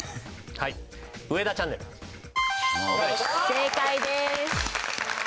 正解です！